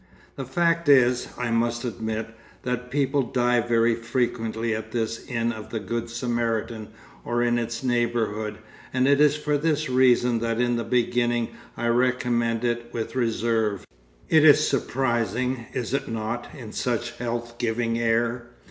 The fact is, I must admit, that people die very frequently at this Inn of the Good Samaritan or in its neighbourhood, and it is for this reason that in the beginning I recommended it with reserve. It is surprising, is it not, in such health giving air?